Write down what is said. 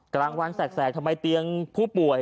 กลางวันแสกทำไมเตียงผู้ป่วย